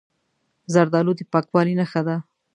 زردالو د پاکوالي نښه ده.